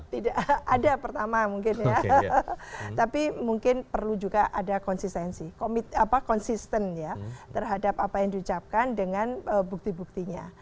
tidak ada pertama mungkin ya tapi mungkin perlu juga ada konsistensi konsisten ya terhadap apa yang diucapkan dengan bukti buktinya